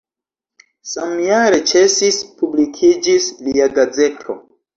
Samjare ĉesis publikiĝis lia gazeto.